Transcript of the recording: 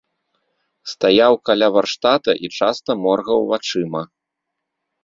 Стаяў каля варштата і часта моргаў вачыма.